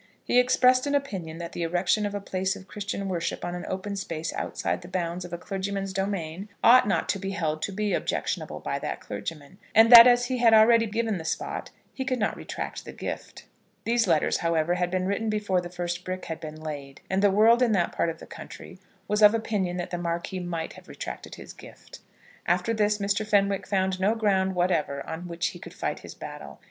He expressed an opinion that the erection of a place of Christian worship on an open space outside the bounds of a clergyman's domain ought not to be held to be objectionable by that clergyman; and that as he had already given the spot, he could not retract the gift. These letters, however, had been written before the first brick had been laid, and the world in that part of the country was of opinion that the Marquis might have retracted his gift. After this Mr. Fenwick found no ground whatever on which he could fight his battle.